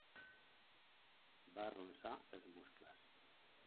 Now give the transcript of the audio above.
Va arronsar els muscles.